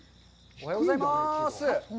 おはようございます。